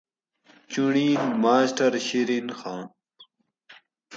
چُنڑیل: ماسٹر شیرین خان